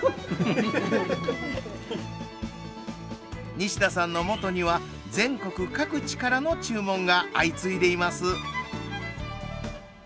西田さんのもとには全国各地からの注文が相次いでいます。